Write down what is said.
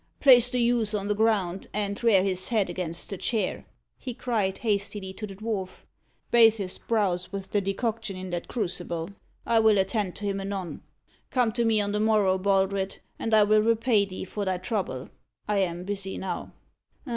"Place the youth on the ground, and rear his head against the chair," he cried, hastily, to the dwarf. "Bathe his brows with the decoction in that crucible. I will attend to him anon. Come to me on the morrow, Baldred, and I will repay thee for thy trouble. I am busy now."